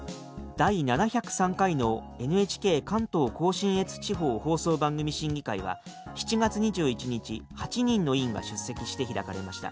第７０３回のＮＨＫ関東甲信越地方放送番組審議会は７月２１日８人の委員が出席して開かれました。